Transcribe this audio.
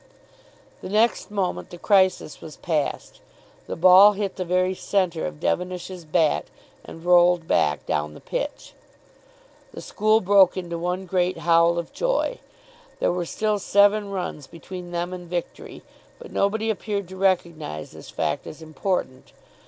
The next moment the crisis was past. The ball hit the very centre of Devenish's bat, and rolled back down the pitch. The school broke into one great howl of joy. There were still seven runs between them and victory, but nobody appeared to recognise this fact as important.